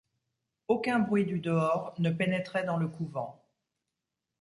Aucun bruit du dehors ne pénétrait dans le couvent.